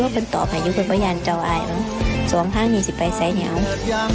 ให้ตัวปันต่อมาให้มาวิวหอยันต์เจ้าอ่ะอืมสองถ้านี่สิใบใสเงียง